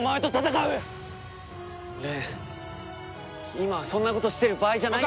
今はそんなことしている場合じゃない。